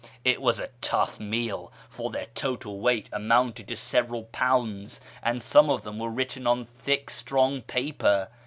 It was a tough meal, for their total weight amounted to several pounds, and some of them were written on thick, strong paper.